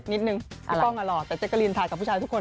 นิดนึงพี่ป้องอ่ะหล่อแต่เจ๊กกะลินถ่ายกับผู้ชายทุกคน